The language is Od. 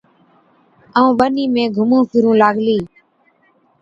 ائُون ٻنِي ۾ گھُمُون ڦرُون لاگلي۔